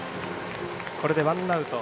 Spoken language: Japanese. これでワンアウト。